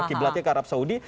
kiblatnya ke arab saudi